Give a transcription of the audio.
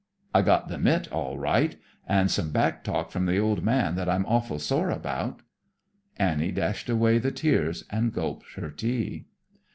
"I got the mit, all right. And some back talk from the old man that I'm awful sore about." Annie dashed away the tears and gulped her tea.